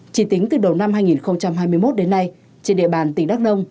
chỉ tính từ đầu năm hai nghìn hai mươi một đến nay trên địa bàn tỉnh đắk nông